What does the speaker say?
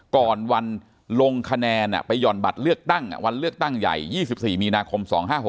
ก่อนวันลงคะแนนไปหย่อนบัตรเลือกตั้งวันเลือกตั้งใหญ่๒๔มีนาคม๒๕๖๖